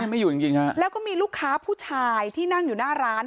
ไม่อยู่จริงจริงฮะแล้วก็มีลูกค้าผู้ชายที่นั่งอยู่หน้าร้าน